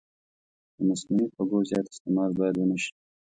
د مصنوعي خوږو زیات استعمال باید ونه شي.